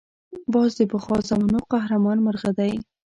باز د پخوا زمانو قهرمان مرغه دی